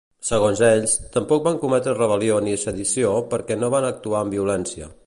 Segons ells, tampoc van cometre rebel·lió ni sedició, perquè no van actuar amb violència.